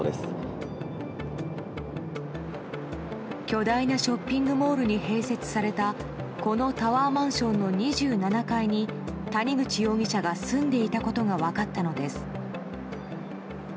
巨大なショッピングモールに併設されたこのタワーマンションの２７階に谷口容疑者が住んでいたことが分かったのです。